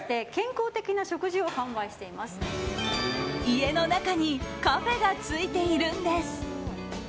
家の中にカフェがついているんです。